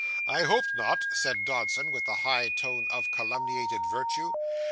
'I hope not,' said Dodson, with the high tone of calumniated virtue.